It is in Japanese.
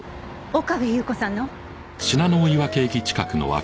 岡部祐子さんの？